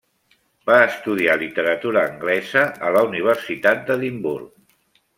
Va estudiar literatura anglesa a la Universitat d'Edimburg.